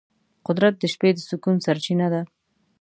قدرت د شپې د سکون سرچینه ده.